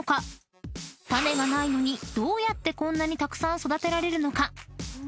［種がないのにどうやってこんなにたくさん育てられるのか？］